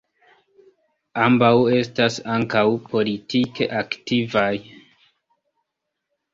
Ambaŭ estas ankaŭ politike aktivaj.